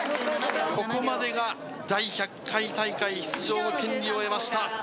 ここまでが第１００回大会出場の権利を得ました。